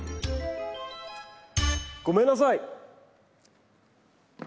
ごめんなさい！